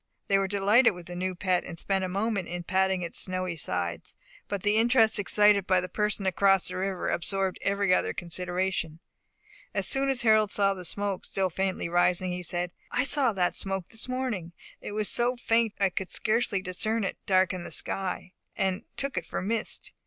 They were delighted with the new pet, and spent a moment in patting its snowy sides; but the interest excited by the person across the river absorbed every other consideration. As soon as Harold saw the smoke still faintly rising, he said, "I saw that smoke this morning. It was so faint I could scarcely discern it darken the sky, and took it for mist.